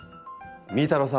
みーたろうさん